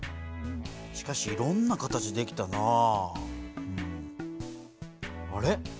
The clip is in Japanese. しかしいろんな形できたなぁ。あれ？